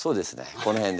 この辺で。